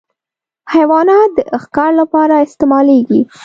حیوانات د ښکار لپاره استعمالېږي.